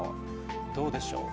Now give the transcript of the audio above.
どうでしょう。